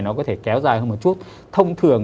nó có thể kéo dài hơn một chút thông thường